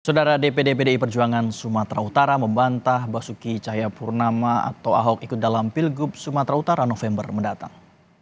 saudara dpd pdi perjuangan sumatera utara membantah basuki cahayapurnama atau ahok ikut dalam pilgub sumatera utara november mendatang